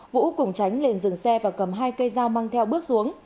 vũ cùng tránh lên dừng xe và cầm hai cây dao mang theo bước xuống